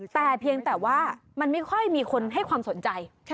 แต่เพียงแต่ว่ามันไม่ค่อยมีคนให้ความสนใจ